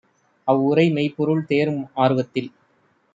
அவ்வுரை மெய்ப்பொருள் தேரும் ஆர்வத்தில்